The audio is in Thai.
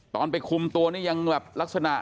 ตอนไปคุมตัวนี่ยังแบบลักษณะ